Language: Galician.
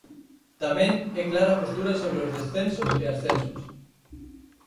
Tamén é clara a postura sobre os descensos e ascensos.